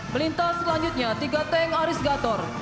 melintas selanjutnya tiga tank aris gator